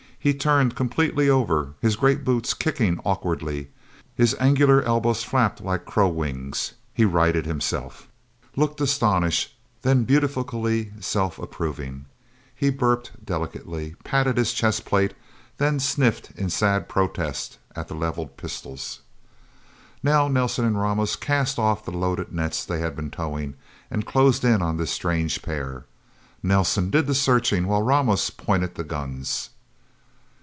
He turned completely over, his great boots kicking awkwardly. His angular elbows flapped like crow wings. He righted himself, looked astonished, then beatifically self approving. He burped delicately, patted his chest plate, then sniffed in sad protest at the leveled pistols. Now Nelsen and Ramos cast off the loaded nets they had been towing, and closed in on this strange pair. Nelsen did the searching, while Ramos pointed the guns.